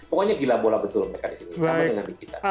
pokoknya gila bola betul mereka disini sama juga saya